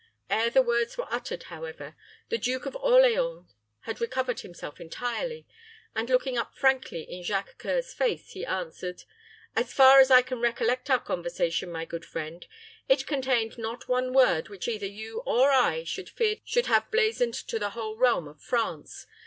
Ere the words were uttered, however, the Duke of Orleans had recovered himself entirely, and looking up frankly in Jacques C[oe]ur's face, he answered, "As far as I can recollect our conversation, my good friend, it contained not one word which either you or I should fear to have blazoned to the whole realm of France.